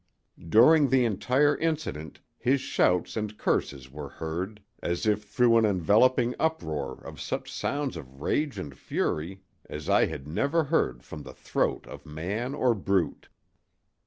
During the entire incident his shouts and curses were heard, as if through an enveloping uproar of such sounds of rage and fury as I had never heard from the throat of man or brute!